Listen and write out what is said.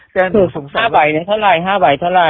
แต่ถึงสองสองห้าใบเนี้ยเท่าไรห้าใบเท่าไร